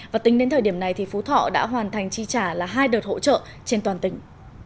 và tính đến thời điểm này thì phú thọ đã hoàn thành chi trả là hai đợt hỗ trợ trên toàn tỉnh